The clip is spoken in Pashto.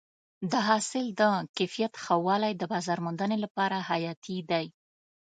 د حاصل د کیفیت ښه والی د بازار موندنې لپاره حیاتي دی.